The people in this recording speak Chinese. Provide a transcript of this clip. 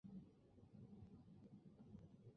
信浓国的领域大约为现在的长野县。